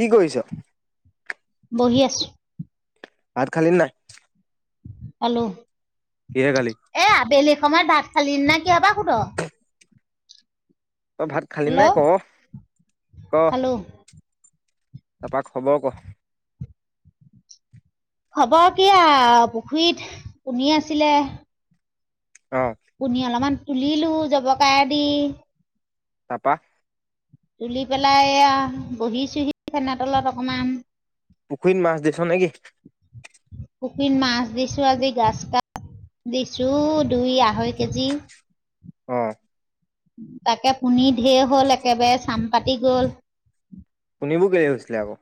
কি কৰিছ? বহি আছোঁ। ভাত খালীনে নাই? পালোঁ। কিহে খালি? এ আবেলি সময়ত ভাত খালি নে কিয়া বা সোধ অই ভাত খালি নাই হেল্ল' ক' ক' খালোঁ। তাৰপৰা খবৰ ক খবৰ কিয় পুখুৰীত পুনিআছিলে অ পুনি অলপমান তুলিলো জবকা দি তাপা তুলি পেলাই এয়া বহিচোহি ফেনৰ তলত অকমান। পুখুৰীত মাছ দিছ' নেকি? পুখুৰীত মাছ দিছো আজি, গ্ৰাস্কাত দিছো দুই-আঢ়ৈ কেজি। অ। তাকে পুনি ঢেৰ হ'ল। একেবাৰে চাম পাতি গ'ল। সেইবোৰ কেলেই হৈছিলে আকৌ?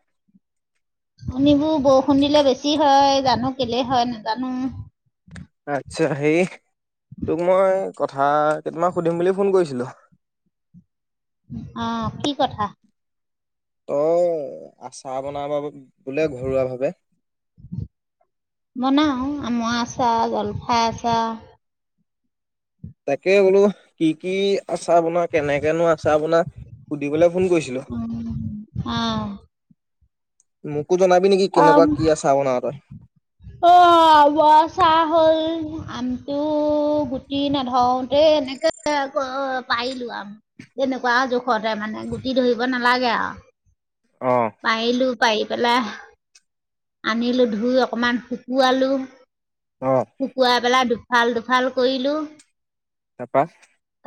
[unintelligible] বৰষুণ দিলে বেছি হয়, জানো কেলে হয় নাজানো। আচ্ছা হেই তোক মই কথা কেইটামান সুধিম বুলি ফোন কৰিছিলো। অহ, কি কথা? তই আচাৰ বনাব বোলে ঘৰুৱা ভাৱে। বনাও আমৰ আচাৰ, জলফাই আচাৰ তাকে বোলো কি কি আচাৰ বনা কেনেকেনো আচাৰ বনা সুধিবলৈ ফোন কৰিছিলো। উ আহ। ম [unintelligible] কো জনাবি নেকি? আম কেনেকুৱা কি আচা বনা তই? অ, আমৰ আচাৰ হ'ল। আমটো গুটি নধৰোতে এনেকে পাৰিলো আম যেনেকুৱা জোখতে মানে গুটি ধৰিব নালাগে আৰু। অ পাইলো, পাইলো। দি পেলাই আনিলো, ধুই অকণমান শুকুৱালো অ শুকুৱাই পেলা দু এফাল-দুফাল কৰিলো। তাপা?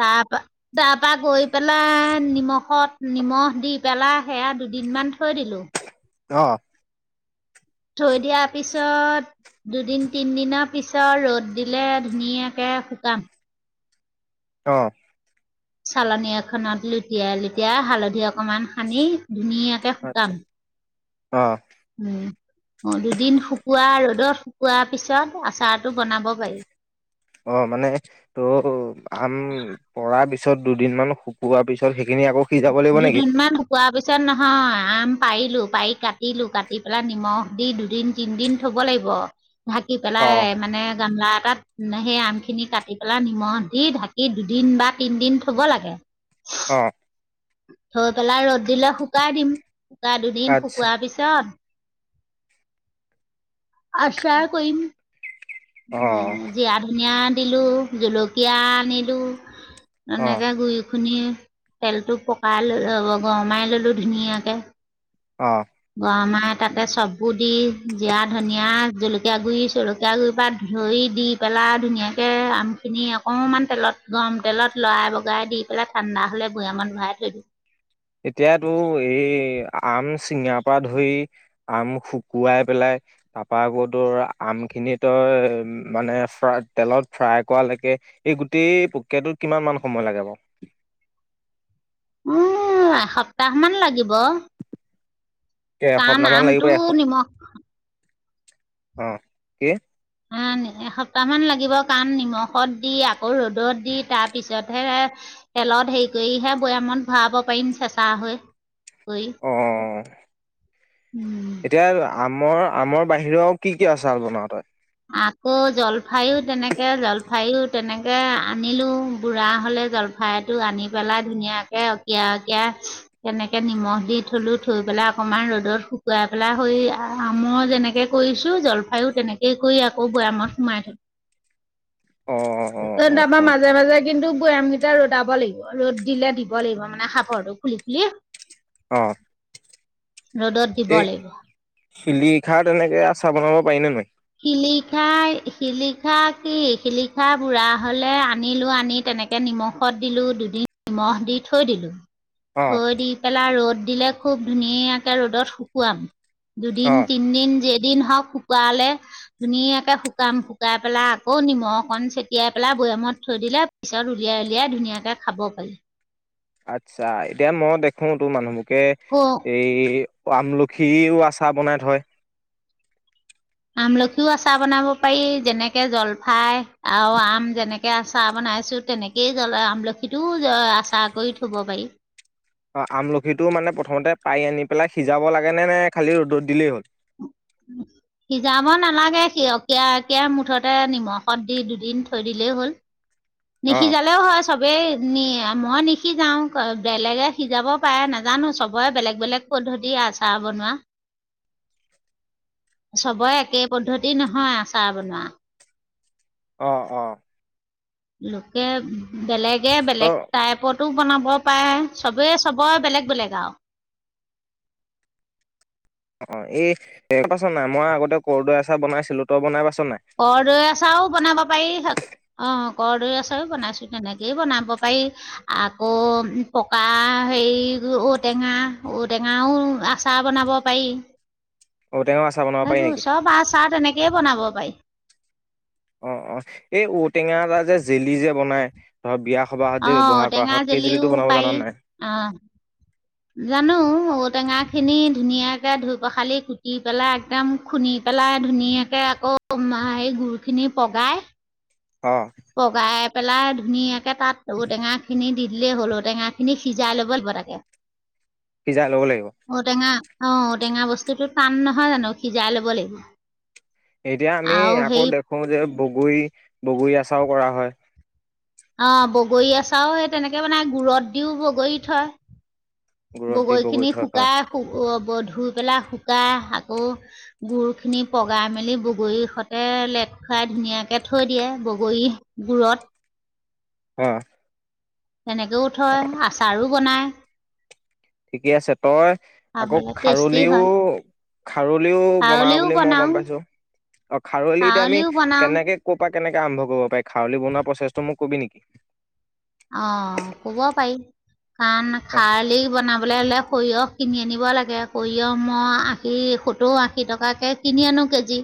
তাৰপা তাৰ পৰা গৈ পেলাই নিমখত নিমখ দি পেলাই সেয়া দুদিনমান থৈ দিলোঁ। অ থৈ দিয়াৰ পিছত দুদিন-তিনদিনৰ পিছত ৰ'দ দিলে ধুনীয়াকে শুকাম। অ। চালনী এখনত লুটিয়াই-লুটিয়াই হালধি অকমান সানি ধুনীয়াকে শুকাম। আচ্ছা অ। উম, দুদিন শুকোৱা ৰ'দত শুকোৱাৰ পিছত আচাৰটো বনাব পাৰি। অ মানে ত' আম পৰা পিছত দুদিনমান শুকোৱাৰ পিছত সে দুদিনমান শুকোৱা পিছত নহ হয়। আম পাৰিলো, পাৰি কাটিলো, কাটি পেলাই নিমখ দি দুদিন-তিনদিন থ'ব লাগিব। ঢাকি অ পেলাই মানে গামলা এটাত সেই আমখিনি কাটি পেলাই নিমখ দি ঢাকি দুদিন বা তিনদিন থ'ব লাগে। অ থৈ পেলাই ৰ'দ দিলে শুকাই দিম। শুকা দুদিন আচ্ছা শুকোৱাৰ পিছত আচাৰ কৰিম। অ উ যি আ ধুনীয়া [unintelligible] লোঁ, জলকীয়া আনিলোঁ অ এনেকে গুড়ি খুনি তেলটো পকাই লৈ যাব, গৰমাই ল'লো ধুনীয়াকে। অ' [unintelligible] তাতে চববোৰ দি, জিৰা ধনীয়া, জলকীয়া গুড়ি, চলকীয়া গুড়িৰ পৰা ধৰি দি পেলাই ধুনীয়াকৈ আমখিনি অকণমান তেলত গৰম তেলত লৰাই-বগৰাই দি পেলাই ঠাণ্ডা হ'লে বৈয়ামত ভৰাই থৈ দিওঁ। এতিয়াতো এই আম চিঙাৰ পৰা ধৰি আম শুকুৱাই পেলাই তাৰপৰা আকৌ তোৰ আমখিনি তই মানে তেলত ফ্ৰাই কৰালৈকে, এই গোটেই প্ৰক্ৰিয়াটোত কিমান মান সময় লাগে বাৰু? উ এসপ্তাহমান লাগিব। কাৰান এসপ্তাহ মান লাগিব আমটো এস নিমখ [unintelligible] অ' কি? এসপ্তাহমান লাগিব কাৰণ নিমখত দি আকৌ ৰ'দত দি তাৰপিছতহে তেলত হেৰি কৰিহে বৈয়ামত ভৰাব পাৰিম চেঁচা হৈ। কৰি অ! উম। এতিয়া আমৰ আমৰ বাহিৰেও আউ কি কি আচাৰ বনাৱ তই? আকৌ জলফাইও তেনেকে, জলফাইও তেনেকে আনিলো, বুঢ়া হ'লে জলফাইটো আনি পেলাই ধুনীয়াকে অকীয়াই-অকীয়াই তেনেকে নিমখ দি থলো, থৈ পেলাই অকমান ৰ'দত শুকুৱাই পেলাই হৈ আমৰ যেনেকে কৰিছো জলফাইও তেনেকে এই কৰি আকৌ বৈয়ামত সোমাই থলো। অ অ এ অ তা পা অ মাজে-মাজে কিন্তু বৈয়ামকেইটা ৰ'দাব লাগিব। ৰ'দ দিলে দিব লাগিব মানে সাফৰটো খুলি-খুলি। অ ৰ'দত দিব লাগিব। শিলিখা তেনেকে আচাৰ বনাব পাৰি নে নোৱাৰি? শিলিখাই শিলিখা কি শিলিখা বুঢ়া হ'লে আনিলো, আনি তেনেকে নিমখত দিলো দুদিন নিমখ দি থৈ দিলো। অ থৈ দি পেলাই ৰ'দ দিলে খুব ধুনীয়াকে ৰ'দত শুকুৱাম। অ দুদিন-তিনদিন যে দিন হওক শুকুওৱালে। ধুনীয়াকে শুকাম। শুকাই পেলাই আকৌ নিমখ অকণ চটিয়াই পেলাই বৈয়ামত থৈ দিলে পিছত উলিয়াই-উলিয়াই ধুনীয়াকে খাব পাৰি। আচ্ছা। এতিয়া মই দেখো তোৰ মানুহবোৰক [unintelligible] পাৰি। এই আমলখিও আচাৰ বনাই হয়। আমলখিও আচাৰ বনাব পাৰি। যেনেকে জলফাই আৰু আম যেনেকে আচাৰ বনাইছোঁ, তেনেকেই জলএ আমলখিটোও আচাৰ কৰি থব পাৰি। অ, আমলখিটো মানে প্ৰথমতে পাৰি আনি পেলাই সিজাব লাগেনে নে খালি ৰ'দত দিলেই হ'ল? সিজাব নালাগে সিয়কীয়াকে মুঠতে নিমখত দি দুদিন থৈ দিলেই হ'ল। অ নিসিজালেও হয় চবেই নি মই নিসিজাওঁ। বেলেগে সিজাব পাৰে নাজানো, চবৰে বেলেগ বেলেগ পদ্ধতি আচাৰ বনোৱা। চবৰে একে পদ্ধতি নহয় আচাৰ বনোৱা। অহ অহ। লোকে বেলেগ লোকে ত বেলেগ টাইপতো বনাব পাৰে চবে চবৰ বেলেগ বেলেগ আও। অ এ পাইছ নাই, মই আগতে কৰ্দৈ আচাৰ বনাইছিলো। তই বনাই পা কৰ্দৈ আচাৰো বনাব পাৰি। অহ। কৰ্দৈ আচাৰো বনাইছোঁ তেনেকেই বনাব পাৰি। আকৌ পকা হেৰি ঔটেঙা, ঔটেঙাও আচাৰ বনাব পাৰি। ঔটেঙা আচাৰ বনাব পাৰি এইবোৰ নেকি? চব আচাৰ তেনেকৈ বনাব পাৰি। অ অ। এই ঔটেঙাৰ এটা যে জেলি যে বনাই ধৰ বিয়া সবাহত যে অহ ঔ ব্যৱহাৰ কৰা টেঙা হয় সেই জেলিও জেলিটো বনাব জান পাৰি। নাই? অহ। জানো, ঔ ঔ টেঙাখিনি ধুনীয়াকৈ ধুই পখালি কুটি পেলাই একদম খুন্দি পেলাই ধুনীয়াকৈ আকৌ হে গুৰখিনি পগাই অ পগাই পেলাই ধুনীয়াকে তাত ঔটেঙা খিনি দি দিলেই হ'ল। ঔ টেঙা খিনি সিজাই ল'ব লাগিব তাকে। সিজাই ল'ব লাগিব। ঔটেঙা অ' ঔ-টেঙা বস্তুতো টান নহয় জানো? সিজাই ল'ব লাগিব। এতিয়া আমি আৰু আকৌ সেই দেখো যে বগৰী বগৰী আচাৰো কৰা হয়। অ' বগৰী আচাৰো সেই তেনেকে বনায়। গুৰত দিও বগৰী থয়। গুৰত দি বগৰীখিনি বগৰীত হয় হয় শুকাই শু ধুই পেলাই শুকাই আকৌ গুৰখিনি পগাই মেলি বগৰী সতে লেট খুৱাই ধুনীয়াকে থৈ দিয়ে বগৰী গুৰত অহ তেনেকৈয়ো থয় আচাৰো বনায়। ঠিকে আছে। তই আকৌ খাবলৈ টেষ্টি হয় খাৰলিও- খাৰলিও বনাও খাৰলিও বুলি মই গম বনাওঁ পাইছোঁ। অ' খাৰলি এতিয়া আমি খাৰলিও বনাওঁ কেনেকে ক'ৰ পৰা কেনেকৈ আৰম্ভ কৰিব পাৰি খাৰলি বনোৱা প্ৰচেছটো মোক কবি নেকি অ' ক'ব পাৰি। কাৰণ অ খাৰলি বনাবলে হ'লে সৰিয়হ কিনি আনিব লাগে আক' ইয়ো মই আশী- সত্তৰ- আশী টকাকে কিনি আনোঁ কেজি।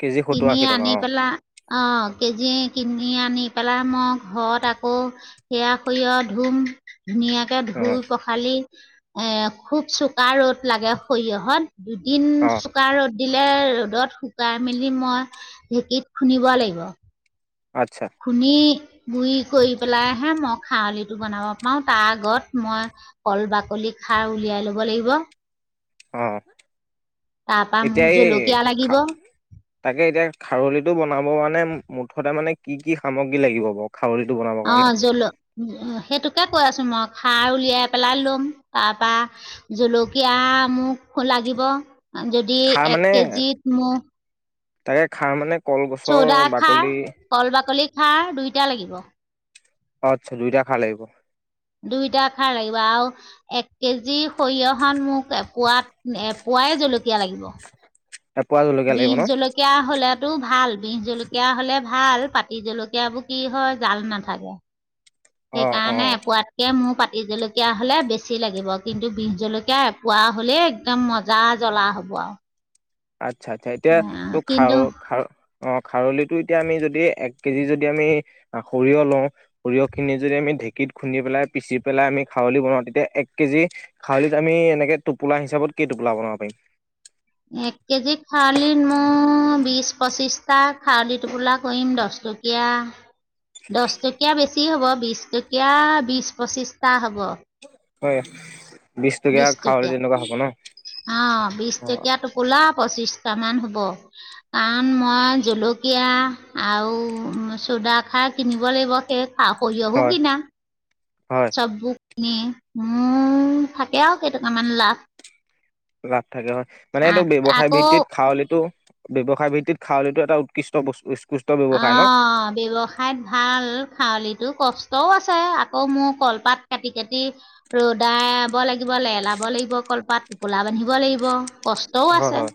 কেজি সত্তৰ কিনি আশী টকা আনি অ পেলা অ' কেজি কিনি আনি পেলাই মই ঘৰত আকৌ সেয়া সৰিয়হ ধুম। ধুনীয়াকে অ ধুই পখালি এ খুব চোকা ৰ'দ লাগে সৰিয়হত। দুদিন অ চোকা ৰ'দ দিলে ৰ'দত শুকাই মেলি মই ঢেঁকীত খুন্দিব লাগিব। আচ্ছা খুন্দি গুৰি কৰি পেলাইহে মই খাৰলিটো বনাব পাৰো তাৰ আগত মই কল বাকলি খাৰ উলিয়াই ল'ব লাগিব অ' তাৰপৰা মোক এতিয়া এই জলকীয়া লাগিব খা- তাকে এতিয়া খাৰলিটো বনাব মানে মুঠতে মানে কি কি সামগ্ৰী লাগিব বাৰু খাৰলিটো বনাবৰ কাৰণে অ' জল- সেইটোকে কৈ আছোঁ মই সাৰ উলিয়াই পেলাই ল'ম। তাৰ পৰা জলকীয়া মোক ও লাগিব। যদি খাৰ এক মানে কেজিত মোক তাকে খাৰ মানে কলগছৰ চৌদা খাৰ, বাকলি কল বাকলি খাৰ, দুইটা লাগিব। আচ্ছা, দুইটা খাৰ লাগিব। দুইটা খাৰ লাগিব আৰু এক কেজি সৰিয়হখন মোক এ- পোৱাত- এপোৱাই জলকীয়া লাগিব। এপোৱা জলকীয়া লাগিব বিশ ন জলকীয়া হ'লে টো ভাল বিহ জলকীয়া হ'লে ভাল। পাতি জলকীয়াবোৰ কি হয় জাল নাথাকে। অ অ সেইকাৰণে পোৱাতকে মোৰ পা এই জলকীয়া হ'লে বেছি লাগিব কিন্তু বিহ জলকীয়া এপোৱা হ'লেই একদম মজা জ্বলা হ'ব আৰু। আচ্ছা-আচ্ছা এতিয়া তোক খাৰ কিন্তু খ অ খাৰলিটো এতিয়া আমি যদি এক কেজি যদি আমি সৰিয়হ লওঁ, সৰিয়হখিনি যদি আমি ঢেঁকীত খুন্দি পেলাই পিচি পেলাই আমি খাৰলি বনাওঁ তেতিয়া এক কেজি খাৰলিত আমি এনেকে টোপোলা হিচাপত কি টোপোলা বনাব পাৰিম? এক কেজি খালি [inaudible] বিশ পঁচিছটা খাৰলি টোপোলা কৰিম দহ টকীয়া দহ টকীয়া বেছি ছ হ'ব বিশ টকীয়া বিছ পঁচিছটা হ'ব। হয়। বিশ খাৰলি টকীয়া তেনেকুৱা হ'ব ন অ বিশ অ টকীয়া টো পোলাম পঁচিছটামান হ'ব। কাৰণ মই জলকীয়া আৰু চৌদাখাৰ কিনিব লাগিব শেষ অ সৰিয়হবোৰো হয় কিনা হয় চাবু এ মোৰ থাকে আৰু কেইটকামান লাভ। ৰাখ। থাকে হয় মানে এইটো ব্যৱসায় আকৌ ভিত্তিত খাৱলিতটো ব্যৱসায় ভিত্তিত খাউলিটো এটা উৎকৃষ্ট বস্তু উৎকৃষ্ট অ ব্যৱসায় ন ব্যৱসায়ত ভাল। খাৱলিত কষ্টও আছে। আকৌ মোৰ কলপাত কাটি কাটি ৰ'দাব লাগিব, লেলাব লাগিব, কলপাত টোপোলা বান্ধিব লাগিব। কষ্টও হয় আছে। হয়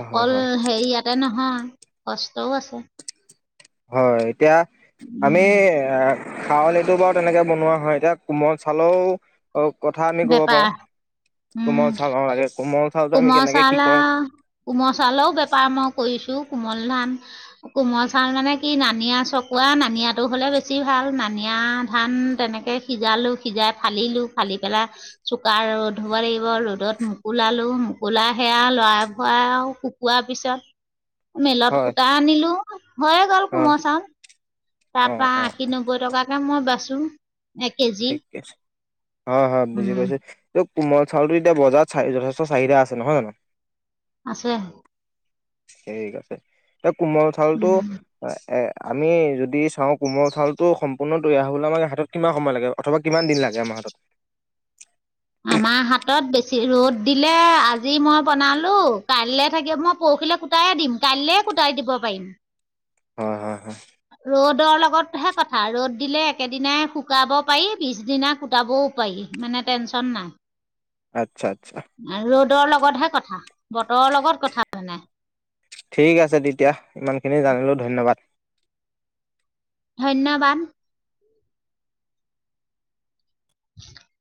হয় হয় হয় হেৰিয়াতে ন নহয় কষ্টও আছে। হয় এতিয়া আমি--আ খাৱলিটো বাৰু তেনেকে বনোৱা হয়। এতিয়া কোমল চাউলৰটো বেপাৰ। উম কোমল চাউল অ লাগে কোমল চাউলটো আমি কোমল কেনেকে কি চউলা কওঁ কোমল চউলৰ ও বেপাৰ মই কৰিছো। কোমল ধান কোমল চাউল মানে কি নানিয়া চকোৱা নানিয়াটো হ'লে বেছি ভাল। নানিয়া ধান তেনেকৈ সিজালোঁ সিজাই ফালিলোঁ ফালি পেলা চোকা ৰ'দ হব লাগিব। ৰ'দত মকলোুলালো, মুকলোা সেয়া লৰাই ভৰা আৰু শুকোৱাৰ পিছত মেলত হয় ফূতা আনিলো। [unintelligible] হয়ে গল হয় কোমল চাউল তাৰ অ পৰা অ আশী-নব্বৈ টকাকে ম বাচো ঠিকছে হ হয় বুজি উম পাইছো ত কোমল চাউলটো এতিয়া বজাৰত চ যথেষ্ট চাহিদা আছে নহয় জানো? আছে ঠিক আছে। তই কোমল চাউলটো উম অ'- এ আমি যদি চাওঁ কোমল চাউলটো সম্পূৰ্ণ তৈয়াৰ হবলে আমাক হাতত কিমান সময় লাগে? অথবা কিমান দিন লাগে আমাৰ হাতত আমাৰ হাতত বেছি ৰ'দ দিলে আজি মই বনালোঁ কাইলৈ থাকে মই পৰহিলৈ কুটাই দিম কাইলৈ কুটাই দিব পাৰিম। হয় - হয় - হয়। ৰ'দৰ লগতহে কথা ৰ'দ দিলে একেদিনাই শুকাব পাৰি বিছ দিনা কুটাবও পাৰি মানে টেনশচন নাই আচ্ছা আচ্ছা ৰ'দৰ লগতহে কথা বতৰৰ লগত কথা মানে ঠিক আছে তেতিয়া ইমানখিনি জানিলো ধন্যবাদ ধন্যবাদ উ